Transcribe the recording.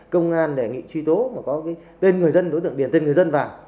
công an đề nghị truy tố mà có cái tên người dân đối tượng điền tên người dân vào